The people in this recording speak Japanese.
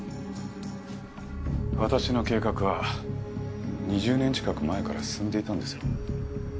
私の計画は２０年近く前から進んでいたんですよ。